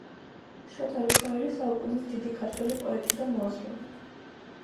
შოთა რუსთველი საუკუნის დიდი ქართველი პოეტი და მოაზროვნე